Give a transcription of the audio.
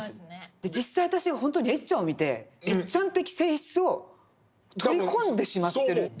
で実際私本当にエッちゃんを見てエッちゃん的性質を取り込んでしまってる。